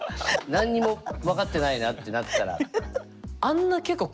何にも分かってないなってなったら。